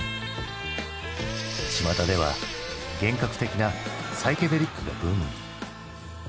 ちまたでは幻覚的な「サイケデリック」がブームに。